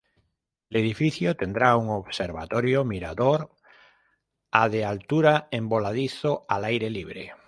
El edificio tendrá un observatorio-mirador a de altura en voladizo al aire libre.